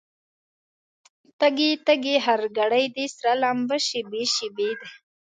تږی، تږی هر ګړی دی، سره لمبه شېبې شېبې دي